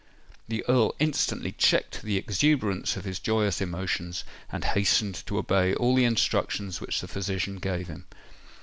The Earl instantly checked the exuberance of his joyous emotions, and hastened to obey all the instructions which the physician gave him.